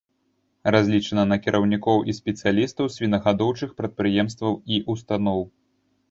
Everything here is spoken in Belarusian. Разлічана на кіраўнікоў і спецыялістаў свінагадоўчых прадпрыемстваў і ўстаноў.